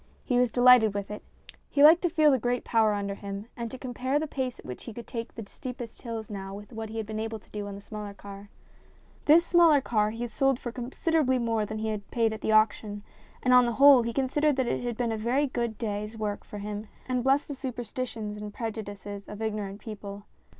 He was delighted with it. He liked to feel the great power under him and to compare the pace at which he could take the steepest hills now with what he had been able to do on the smaller car. This smaller car he sold for consider ably more than he had paid at the auction, and on the whole he considered that it had been a very good day's work for him, and blessed the superstitions and prejudices of ignorant people.